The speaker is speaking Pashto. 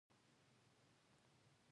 ګیلاس د دعوت پر وخت ارزښت لري.